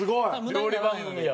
料理番組や。